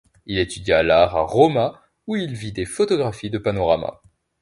Il étudia l'art à Rauma où il vit des photographies de panoramas.